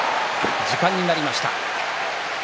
時間になりました。